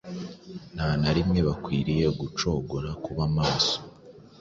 Nta na rimwe bakwiriye gucogora kuba maso.